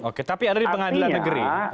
oke tapi ada di pengadilan negeri bung aziz